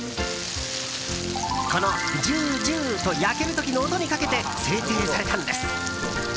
このジュージューと焼ける時の音にかけて制定されたんです。